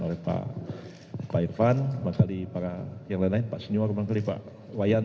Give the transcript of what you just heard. oleh pak irfan pak senyor pak wayan